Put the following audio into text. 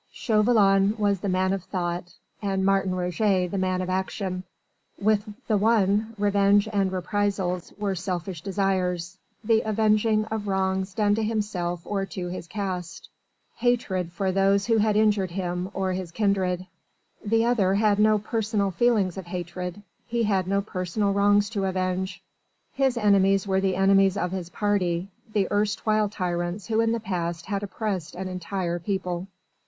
Chauvelin was the man of thought and Martin Roget the man of action. With the one, revenge and reprisals were selfish desires, the avenging of wrongs done to himself or to his caste, hatred for those who had injured him or his kindred. The other had no personal feelings of hatred: he had no personal wrongs to avenge: his enemies were the enemies of his party, the erstwhile tyrants who in the past had oppressed an entire people.